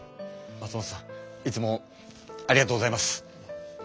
松本さんいつもありがとうございます。